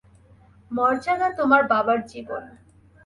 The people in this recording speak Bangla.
মর্যাদা তোমার বাবার জীবন।